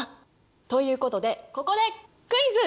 ということでここでクイズ！